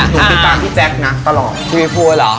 ติดตามพี่แจ๊บนะตลอด